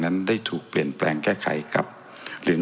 ท่านจะวินิจฉัยมานั้นนะครับซึ่ง